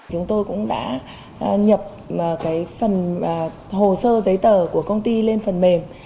chúng tôi cũng đã nhập phần hồ sơ giấy tờ của công ty lên phần mềm